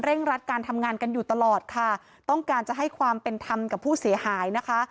รัดการทำงานกันอยู่ตลอดค่ะต้องการจะให้ความเป็นธรรมกับผู้เสียหายนะคะ